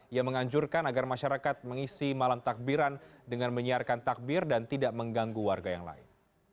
ia menganjurkan agar masyarakat mengisi malam takbiran dengan menyiarkan takbir dan tidak mengganggu warga yang lain